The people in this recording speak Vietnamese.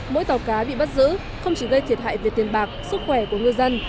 mỗi tàu cá bị bắt giữ không chỉ gây thiệt hại về tiền bạc sức khỏe của ngư dân